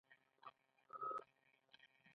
لمونځ کول د ایمان نښه ده .